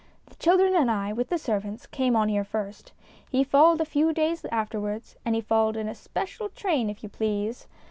The children and I, with the servants, came on here first. He followed a few days afterwards, and he followed in a special train if you please.